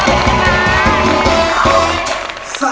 ขอบคุณนะครับพี่สิมา